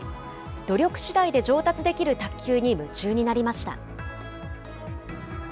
努力しだいで上達できる卓球に夢中になりました。